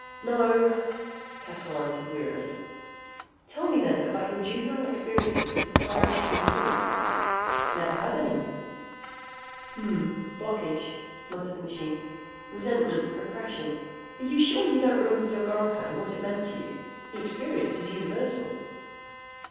"No," Caswell answered wearily. "Tell me, then, about your juvenile experiences with the thorastrian fleep." "Never had any." "Hmm. Blockage," muttered the machine. "Resentment. Repression. Are you sure you don't remember your goricae and what it meant to you? The experience is universal."